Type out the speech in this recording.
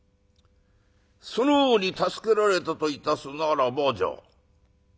その方に助けられたといたすならばじゃ